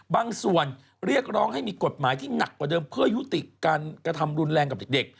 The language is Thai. บางส่วนเรียกร้องให้มีกฎหมายที่หนักกว่าเดิมเพื่อยุติการกระทำรุนแรงกับเด็ก